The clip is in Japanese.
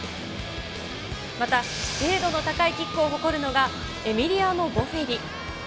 また、精度の高いキックを誇るのが、エミリアノ・ボフェリ。